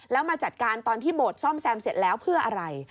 แล้วมาจัดการตอนที่โบสถซ่อมแซมเสร็จแล้วเพื่ออะไร